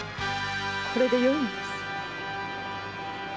これでよいのです。